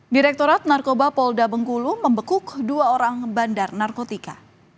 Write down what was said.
direktorat narkoba polda bengkulu membekuk dua orang bandar narkotika